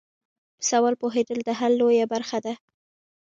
په سوال پوهیدل د حل لویه برخه ده.